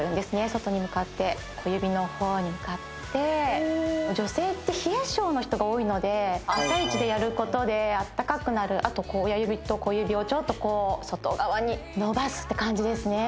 外に向かって小指の方に向かって女性って冷え性の人が多いので朝イチでやることであったかくなるあと親指と小指をちょっとこう外側に伸ばすって感じですね